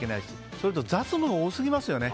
それと雑務が多すぎますよね。